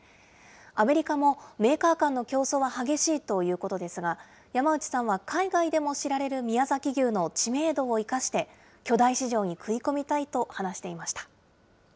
アメリカもメーカー間の競争は激しいということですが、山内さんは、海外でも知られる宮崎牛の知名度を生かして、巨大市場に食い込みたいと話していました。